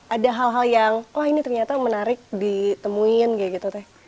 ada hal hal yang wah ini ternyata menarik ditemuin kayak gitu teh